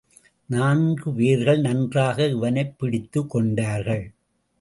நான்கு பேர்கள் நன்றாக இவனைப் பிடித்துக் கொண்டார்கள்.